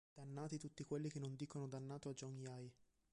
Dannati tutti quelli che non dicono dannato a John Jay!